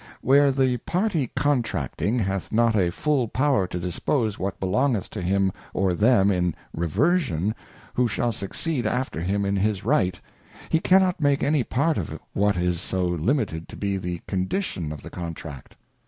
Where Xhe party Contracting, hath not & full power to dispose what belongeth to him or them in Reversion, who shall succeed after him in his Right ; he cannot make any part of what is so limited to be the condition of the Contract.